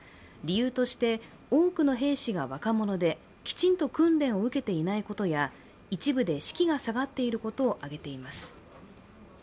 理由として多くの兵士が若者できちんと訓練を受けていないことや、一部で士気が下がっていることを挙げています。